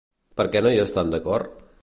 Per què no hi estan d'acord?